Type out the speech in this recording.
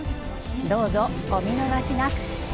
どうぞお見逃しなく。